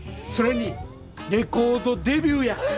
それにレコードデビューや。